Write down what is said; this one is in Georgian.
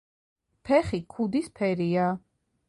ფეხი ქუდის ფერია.